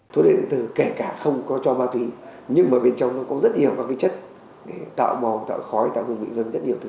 thuốc lá điện tử kể cả không có cho ma túy nhưng mà bên trong nó có rất nhiều các chất tạo bò tạo khói tạo hủy vị dân rất nhiều thứ